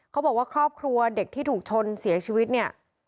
เขาบอกว่าครอบครัวเด็กที่ถูกชนเสียชีวิตเนี่ย